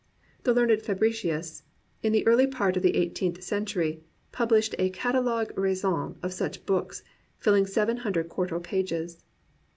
The learned Fabricius, in the early part of the eighteenth century, pub lished a catalogue raisonnS of such books, filling seven hundred quarto pages.